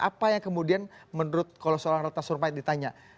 apa yang kemudian menurut kalau seorang ratna sarumpait ditanya